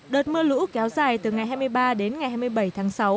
đợt mưa lũ kéo dài từ ngày hai mươi ba đến ngày hai mươi bảy tháng sáu